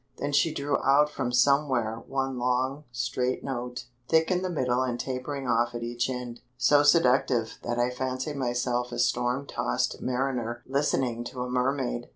Then she drew out from somewhere one long, straight note, thick in the middle and tapering off at each end, so seductive that I fancied myself a storm tossed mariner listening to a mermaid.